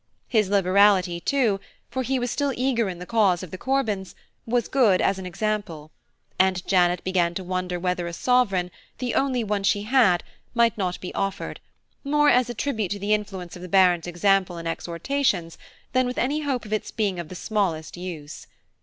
His liberality, too, for he was still eager in the cause of the Corbans, was good as an example; and Janet began to wonder whether a sovereign, the only one she had, might not be offered, more as a tribute to the influence of the Baron's example and exhortations than with any hope of its being of the smallest use.